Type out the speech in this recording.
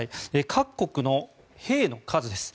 各国の兵の数です。